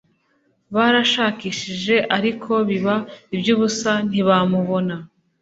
Barashakishije ariko biba ibyubusa ntibamubona